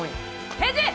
返事！